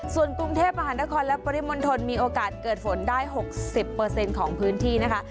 ส่วนกรุงเทพมหานครและปริมณฑลมีโอกาสเกิดฝนได้๖๐ของพื้นที่นะคะ